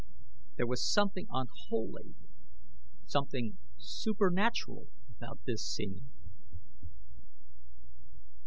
There was something unholy, something supernatural, about this scene!